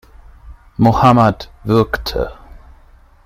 Mohammad würgte.